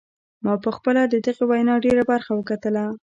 ما پخپله د دغې وینا ډیره برخه وکتله.